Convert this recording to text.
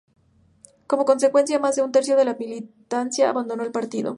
Como consecuencia, más de un tercio de la militancia abandonó el partido.